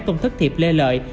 công thức thiệp lê lợi